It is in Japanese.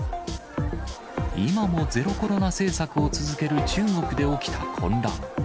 今もゼロコロナ政策を続ける中国で起きた混乱。